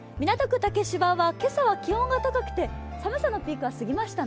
竹芝は今朝は気温が高くて寒さのピークは過ぎましたね。